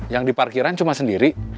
yang di parkiran cuma sendiri